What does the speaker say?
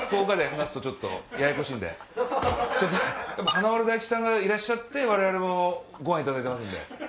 華丸・大吉さんがいらっしゃって我々ごはんいただけますんで。